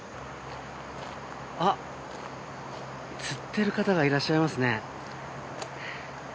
あっ釣ってる方がいらっしゃいますね。